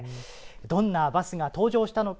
どんなバスが登場したのか。